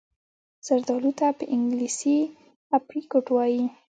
زردالو ته په انګلیسي Apricot وايي.